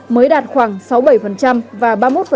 mới đạt khoảng sáu bảy và ba mươi một